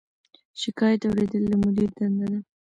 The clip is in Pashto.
شکایت اوریدل د مدیر دنده ده